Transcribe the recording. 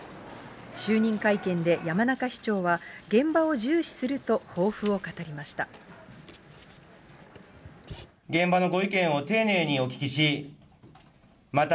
就任会見で山中市長は、現場を重視すると抱負を語りました。